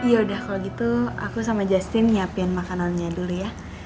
ya udah kalau gitu aku sama justin nyiapin makanannya dulu ya